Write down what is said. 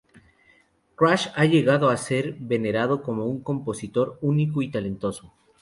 Crash ha llegado a ser venerado como un compositor único y talentoso.